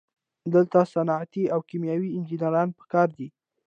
دلته صنعتي او کیمیاوي انجینران پکار دي.